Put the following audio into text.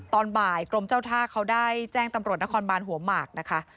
ตอนบ่ายกรมเจ้าท่าเขาได้แจ้งตำรวจนครบานหัวหมากนะคะ